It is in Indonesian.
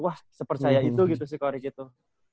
wah sepertinya itu gitu si koriki tuh